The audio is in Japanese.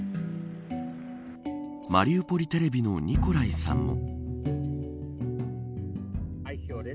マリウポリテレビのニコライさんも。